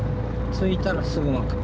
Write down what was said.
着いたらすぐ巻く。